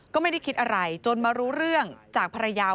ก็ไม่ได้คิดอะไรจนมารู้เรื่องจากภรรยา